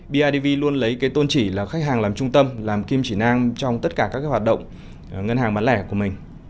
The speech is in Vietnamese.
bidv luôn lấy cái tôn chỉ là khách hàng làm trung tâm làm kim chỉ nam trong tất cả các hoạt động ngân hàng bán lẻ của mình